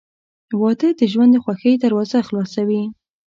• واده د ژوند د خوښۍ دروازه خلاصوي.